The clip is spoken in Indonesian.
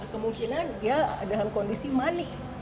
kemungkinan dia dalam kondisi manis